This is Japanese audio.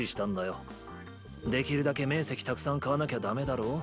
できるだけ面積たくさん買わなきゃダメだろ？